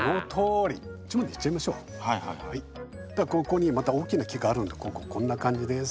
ここにまた大きな木があるのでこんな感じです。